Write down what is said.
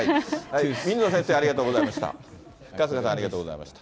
水野先生、ありがとうございました。